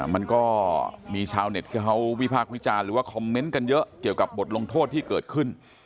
มันก็มีชาวเน็ตที่เขาวิพากษ์วิจารณ์หรือว่าคอมเมนต์กันเยอะเกี่ยวกับบทลงโทษที่เกิดขึ้น